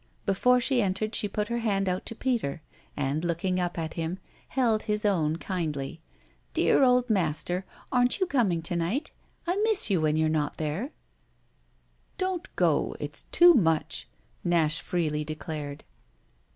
Before she entered she put her hand out to Peter and, looking up at him, held his own kindly. "Dear old master, aren't you coming to night? I miss you when you're not there." "Don't go don't go it's too much," Nash freely declared.